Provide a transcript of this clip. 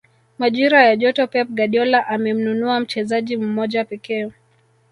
majira ya joto pep guardiola amemnunua mchezaji mmoja pekee